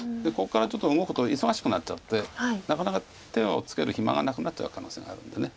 ここからちょっと動くと忙しくなっちゃってなかなか手をつける暇がなくなっちゃう可能性があるんで。